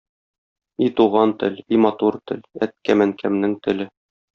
И туган тел, и матур тел, әткәм-әнкәмнең теле!